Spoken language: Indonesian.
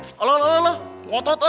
alah alah ngotot eh